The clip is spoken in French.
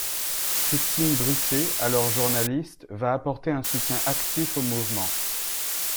Christine Brisset, alors journaliste va apporter un soutien actif au mouvement.